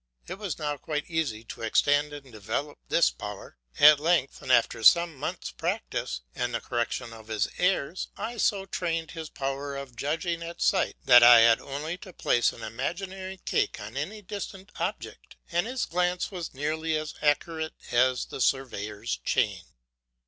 It was now quite easy to extend and develop this power. At length, after some months' practice, and the correction of his errors, I so trained his power of judging at sight that I had only to place an imaginary cake on any distant object and his glance was nearly as accurate as the surveyor's chain.